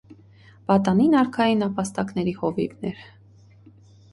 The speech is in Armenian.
Պատանին արքայի նապաստակների հովիվն էր։